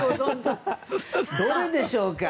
どれでしょうか？